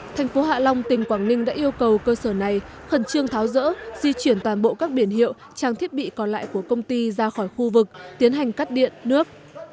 thành phố hạ long tỉnh quảng ninh đã yêu cầu cơ sở này khẩn trương tháo rỡ di chuyển toàn bộ các biển hiệu trang thiết bị còn lại của công ty ra khỏi khu vực tiến hành cắt điện nước